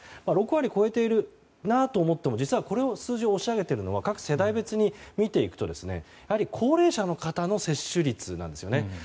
６割を超えているなと思っても実はこの数字を押し上げているのは各世代別に見ていくと高齢者の方の接種率なんですね。